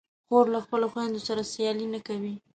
خور له خپلو خویندو سره سیالي نه کوي.